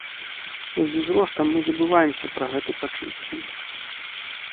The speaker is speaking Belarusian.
З узростам мы забываемся пра гэты пачуцці.